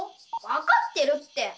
分かってるって！